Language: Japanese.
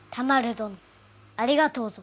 どのありがとうぞ。